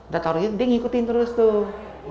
dia taro gitu dia ngikutin terus tuh